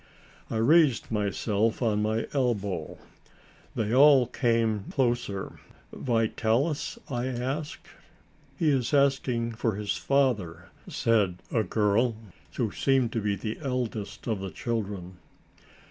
I raised myself on my elbow. They all came closer. "Vitalis?" I asked. "He is asking for his father," said a girl, who seemed to be the eldest of the children.